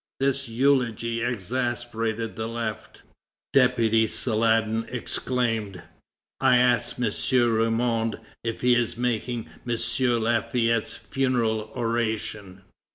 This eulogy exasperated the left. Deputy Saladin exclaimed: "I ask M. Ramond if he is making M. Lafayette's funeral oration?"